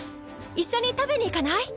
一緒に食べに行かない？